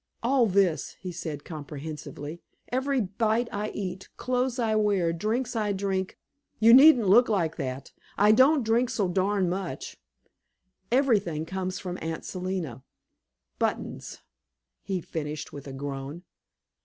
"All this," he said comprehensively, "every bite I eat, clothes I wear, drinks I drink you needn't look like that; I don't drink so darned much everything comes from Aunt Selina buttons," he finished with a groan.